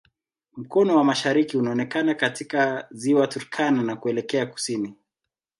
Mkono wa mashariki unaonekana katika Ziwa Turkana na kuelekea kusini.